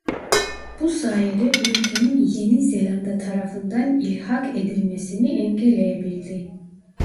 Bu sayede ülkenin Yeni Zelanda tarafından ilhak edilmesini engelleyebildi.